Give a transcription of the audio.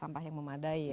sampah yang memadai ya